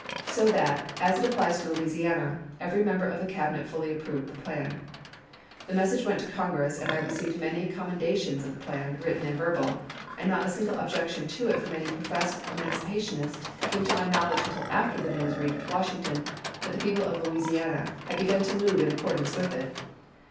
So that, as it applies to Louisiana, every member of the Cabinet fully approved the plan. The mes sage went to Congress, and I received many com mendations of the plan, written and verbal, and not a single objection to it from any professed emancipationist came to my knowledge until after the news reached Washington that the people of Louisiana had begun to move in accordance with it.